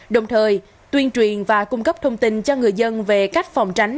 đồng thời tuyên truyền và cung cấp thông tin cho người dân về cách phòng tránh